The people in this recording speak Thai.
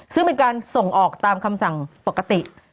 ซึ่งเป็นการส่งออกตามคำสั่งปกติ